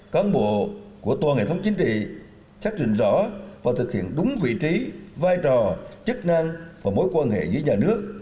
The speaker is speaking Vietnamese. cán bộ của toàn hệ thống chính trị xác định rõ và thực hiện đúng vị trí vai trò chức năng và mối quan hệ giữa nhà nước